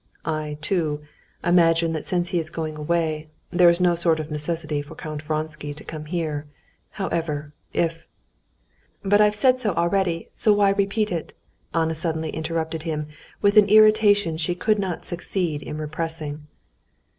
I, too, imagine that since he is going away, there is no sort of necessity for Count Vronsky to come here. However, if...." "But I've said so already, so why repeat it?" Anna suddenly interrupted him with an irritation she could not succeed in repressing.